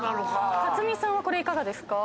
克実さんはこれいかがですか？